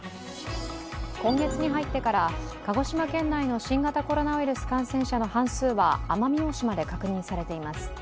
今月に入ってから鹿児島県内の新型コロナウイルス感染者の半数は奄美大島で確認されています。